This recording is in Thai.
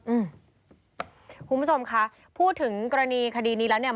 อืมคุณผู้ชมคะพูดถึงกรณีคดีนี้แล้วเนี่ย